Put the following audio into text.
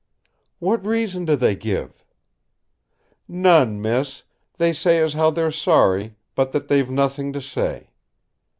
"What reason do they give?" "None, miss. They say as how they're sorry, but that they've nothing to say.